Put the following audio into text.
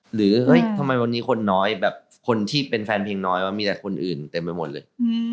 เฮ้ยทำไมวันนี้คนน้อยแบบคนที่เป็นแฟนเพลงน้อยมีแต่คนอื่นเต็มไปหมดเลย